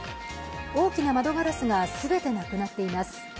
大きな窓ガラスが全てなくなっています。